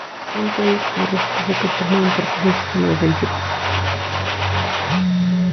Son tres torres-cubo que formaban parte de un sistema defensivo.